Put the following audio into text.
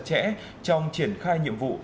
trật trễ trong triển khai nhiệm vụ